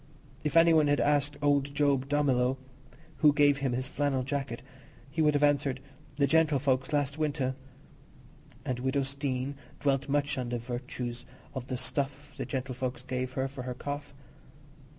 If any one had asked old Job Dummilow who gave him his flannel jacket, he would have answered, "the gentlefolks, last winter"; and widow Steene dwelt much on the virtues of the "stuff" the gentlefolks gave her for her cough.